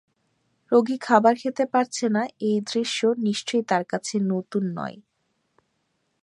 রোগী খাবার খেতে পারছে না এই দৃশ্য নিশ্চয়ই তার কাছে নতুন নয়।